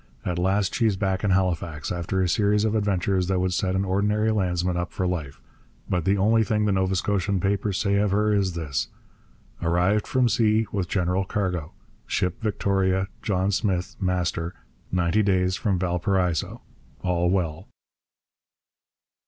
At last she's back in Halifax, after a series of adventures that would set an ordinary landsman up for life. But the only thing the Nova Scotian papers say of her is this: 'Arrived from sea with general cargo ship Victoria, John Smith, master, ninety days from Valparaiso. All well.'